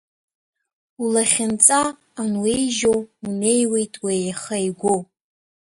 Улахьынҵа ануеижьо, унеиуеит уеиха-еигәо.